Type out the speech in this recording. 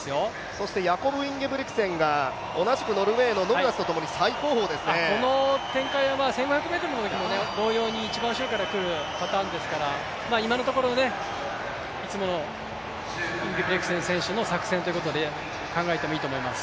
そしてヤコブ・インゲブリクセンが同じノルウェーのノルダスとともにこの展開は１５００ｍのときも同様に一番後ろから来るパターンですから、今のところいつものインゲブリクセン選手の作戦と考えていいと思います。